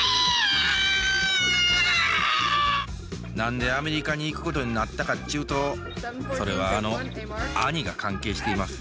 何でアメリカに行くことになったかっちゅうとそれはあの兄が関係しています。